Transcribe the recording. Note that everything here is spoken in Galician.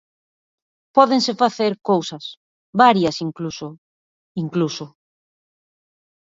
Pódense facer cousas, varias incluso,, incluso.